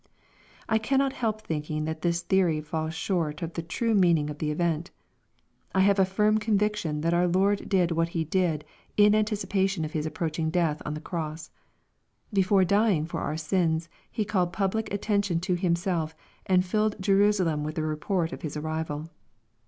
I cannot help thinking that this theory falls short of the true meaning of the event I have a firm conviction that our Lord did what He d]d_in anticipation of His approaching death on the cross. Before dying for our sins, He called public attention to Himself, and filled Jerusalem with the report of His arrival.